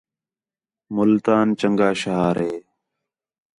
ملتان چنڳا شہر ہے